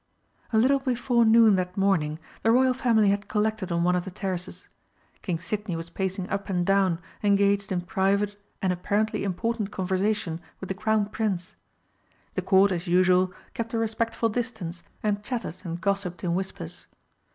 A little before noon that morning the Royal Family had collected on one of the terraces. King Sidney was pacing up and down engaged in private and apparently important conversation with the Crown Prince. The Court as usual kept a respectful distance and chattered and gossiped in whispers.